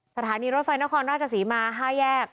สถานีรถไฟนครราชศรีมา๕แยก